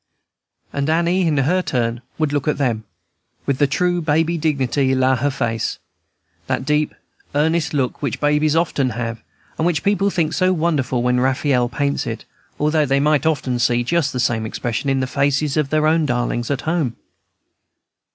And Annie in her turn would look at them, with the true baby dignity La her face, that deep, earnest look which babies often have, and which people think so wonderful when Raphael paints it, although they might often see just the same expression in the faces of their own darlings at home.